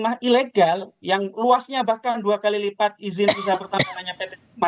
maksud adalah adanya tambang timah ilegal yang luasnya bahkan dua kali lipat izin bisa bertambangannya teman teman